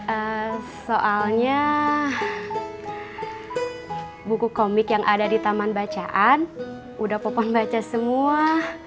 ee soalnya buku komik yang ada di taman bacaan udah papan baca semua